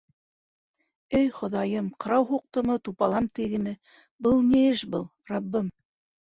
— Эй Хоҙайым, ҡырау һуҡтымы, тупалам тейҙеме, был ни эш был, Раббым.